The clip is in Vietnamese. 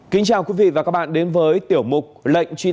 kính chào quý vị và các bạn đến với tiểu mục lệnh truy nã